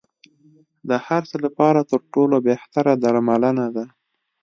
د هر څه لپاره تر ټولو بهتره درملنه ده.